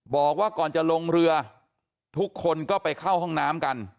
บอกว่าก่อนจะลงเรือทุกคนก็ไปเข้าห้องน้ำกัน